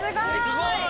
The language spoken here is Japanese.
すごい！